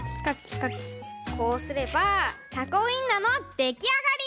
こうすればタコウインナーのできあがり！